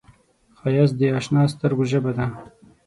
ښایست د اشنا سترګو ژبه ده